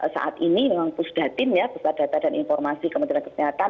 saat ini memang pusdatin ya pusat data dan informasi kementerian kesehatan